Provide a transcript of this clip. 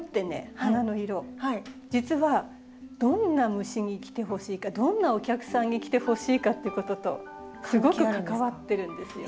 花の色実はどんな虫に来てほしいかどんなお客さんに来てほしいかということとすごく関わってるんですよ。